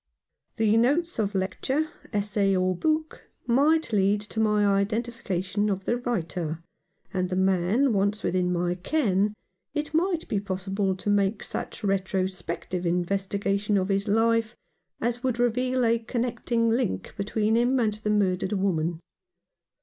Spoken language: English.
The notes of lecture, essay, or book might lead to my identification of the writer, and the man once within my ken it might be possible to make such a retrospective investigation of his life as would reveal a connecting link between him 193 o Rough Justice. and the murdered woman.